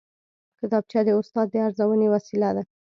کتابچه د استاد د ارزونې وسیله ده